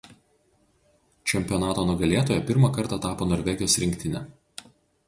Čempionato nugalėtoja pirmą kartą tapo Norvegijos rinktinė.